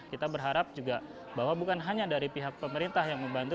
kita berharap juga bahwa bukan hanya dari pihak pemerintah yang membantu